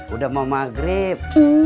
udah mau maghrib